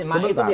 makanya itu dia